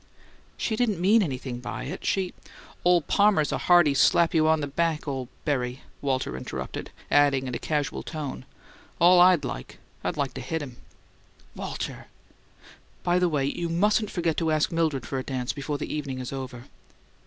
"She didn't mean anything by it. She " "Ole Palmer's a hearty, slap you on the back ole berry," Walter interrupted; adding in a casual tone, "All I'd like, I'd like to hit him." "Walter! By the way, you mustn't forget to ask Mildred for a dance before the evening is over."